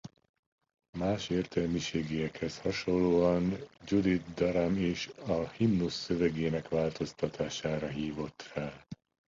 Más értelmiségiekhez hasonlóan Judith Durham is a himnusz szövegének változtatására hívott fel.